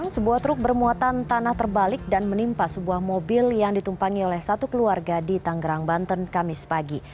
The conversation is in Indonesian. sebuah truk bermuatan tanah terbalik dan menimpa sebuah mobil yang ditumpangi oleh satu keluarga di tanggerang banten kamis pagi